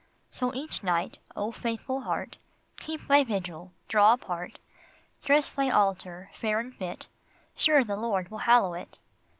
So each night, O faithful heart, Keep thy vigil, draw apart, Dress thy altar fair and fit, Sure the Lord will hallow it